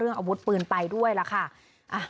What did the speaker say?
เรื่องอวดปืนไปด้วยล่ะค่ะ